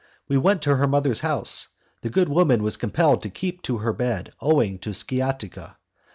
We went to her mother's house; the good woman was compelled to keep her bed owing to sciatica.